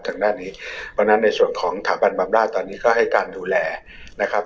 ทางด้านนี้เพราะฉะนั้นในส่วนของสถาบันบำราชตอนนี้ก็ให้การดูแลนะครับ